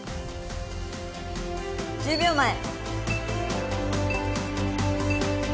１０秒前。